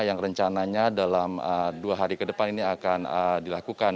yang rencananya dalam dua hari ke depan ini akan dilakukan